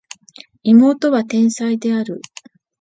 妹は天才である